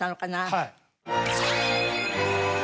はい。